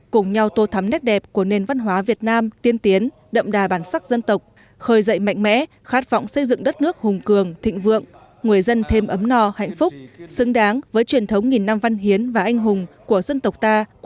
cùng nhau tô thắm nét đẹp của nền văn hóa việt nam tiên tiến đậm đà bản sắc dân tộc khởi dậy mạnh mẽ khát vọng xây dựng đất nước hùng cường thịnh vượng người dân thêm ấm no hạnh phúc xứng đáng với truyền thống nghìn năm văn hiến và anh hùng của dân tộc ta